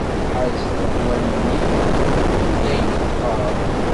Ḥerzet leqwanen-iw, xeddmet ayen i d-qqaren.